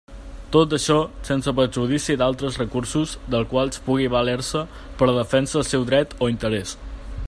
Tot això sense perjudici d'altres recursos dels quals pugui valer-se per a la defensa del seu dret o interès.